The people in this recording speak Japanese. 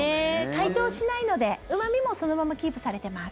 解凍しないのでうま味もそのままキープされてます。